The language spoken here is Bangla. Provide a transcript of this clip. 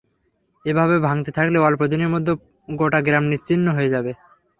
এভাবে ভাঙতে থাকলে অল্প দিনের মধ্যে গোটা গ্রাম নিশ্চিহ্ন হয়ে যাবে।